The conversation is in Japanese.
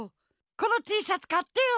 このティーシャツかってよ。